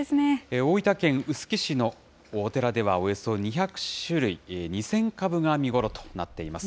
大分県臼杵市のお寺では、およそ２００種類、２０００株が見頃となっています。